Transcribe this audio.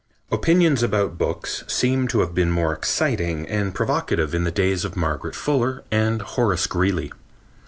Opinions about books seem to have been more exciting and provocative in the days of Margaret Fuller and Horace Greeley.